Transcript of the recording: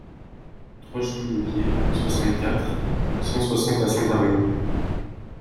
trois chemin de Bié, soixante-quatre, cent soixante à Saint-Armou